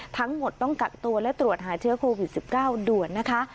ทั้งหมดต้องกักตัวและตรวจหาเชื้อโควิด๑๙ด่วนนะคะ